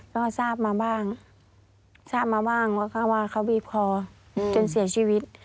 ก็ทราบมาบ้างทราบมาบ้างแล้วก็ว่าเขาบีบคอจนเสียชีวิต